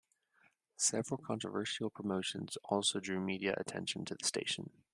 Several controversial promotions also drew media attention to the station.